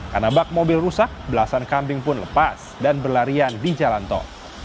karena bak mobil rusak belasan kambing pun lepas dan berlarian di jalan tol